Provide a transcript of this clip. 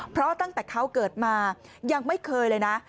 เพราะตั้งแต่เขาเกิดมายังไม่เคยเลยนะ